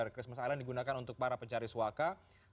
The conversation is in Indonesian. christmas island digunakan untuk para pencari swaka